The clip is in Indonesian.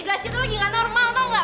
glesio tuh lagi gak normal tau gak